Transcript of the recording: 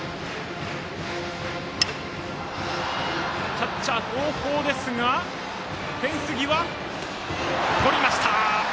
キャッチャー、フェンス際とりました。